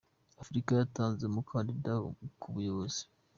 Afurika yatanze umukandida ku buyobozi